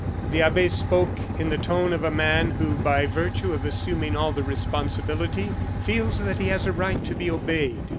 The abbe spoke in the tone of a man who, by virtue of assuming all the responsibility, feels that he has a right to be obeyed.